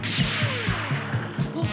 あっ。